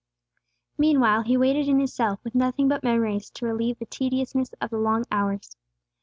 Meanwhile he waited in his cell, with nothing but memories to relieve the tediousness of the long hours.